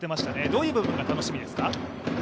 どういう部分が楽しみですか？